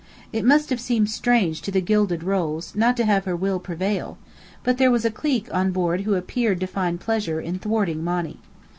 It must have seemed strange to the Gilded Rose not to have her will prevail; but there was a "clique" on board who appeared to find pleasure in thwarting Monny.